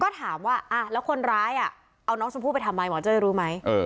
ก็ถามว่าแล้วคนร้ายเอาน้องชมพู่ไปทำไมหมอเจ้ยรู้ไหม